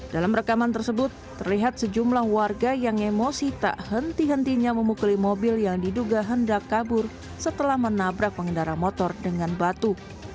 dalam rekaman tersebut terlihat sejumlah warga yang emosi tak henti hentinya memukul mobil yang diduga hendak kabur setelah menabrak pengendara motor dengan batu